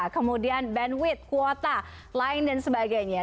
kemudian bandwidth kuota lain dan sebagainya